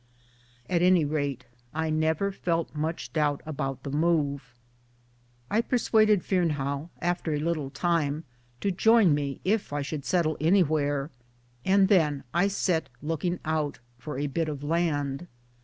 At any rate I never felt much doubt about the move. I persuaded Fearnehough, after a little time, to join me if I should settle anywhere ; and then I set looking out for a bit of land.